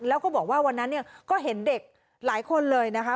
แล้วก็บอกว่าวันนั้นเนี่ยก็เห็นเด็กหลายคนเลยนะคะ